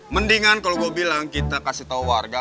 mendingan kalau gua bilang kita kasih tau warga